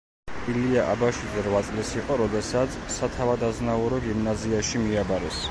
ილია აბაშიძე რვა წლის იყო როდესაც სათავადაზნაურო გიმნაზიაში მიაბარეს.